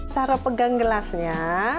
cara pegang gelasnya